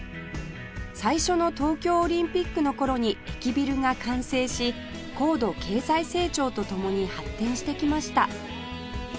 最初の東京オリンピックの頃に駅ビルが完成し高度経済成長とともに発展してきました